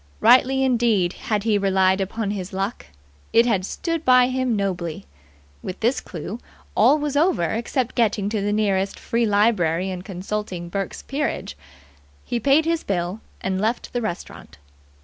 Rightly indeed had he relied upon his luck. It had stood by him nobly. With this clue, all was over except getting to the nearest Free Library and consulting Burke's Peerage. He paid his bill and left the restaurant.